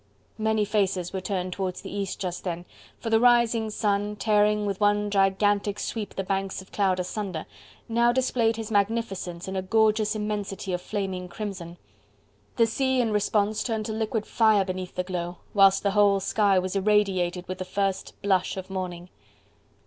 Many faces were turned towards the East just then, for the rising sun, tearing with one gigantic sweep the banks of cloud asunder, now displayed his magnificence in a gorgeous immensity of flaming crimson. The sea, in response, turned to liquid fire beneath the glow, whilst the whole sky was irradiated with the first blush of morning.